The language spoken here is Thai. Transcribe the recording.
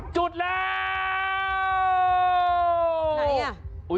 ๓๒๑จุดแล้ว